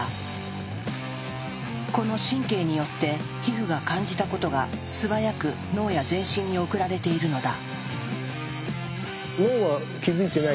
この神経によって皮膚が感じたことが素早く脳や全身に送られているのだ。